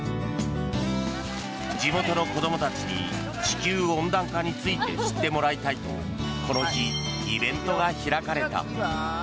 地元の子どもたちに地球温暖化について知ってもらいたいとこの日、イベントが開かれた。